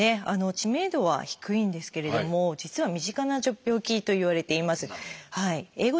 知名度は低いんですけれども実は身近な病気といわれています。